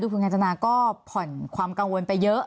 คุณกาญจนาก็ผ่อนความกังวลไปเยอะ